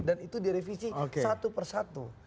dan itu direvisi satu persatu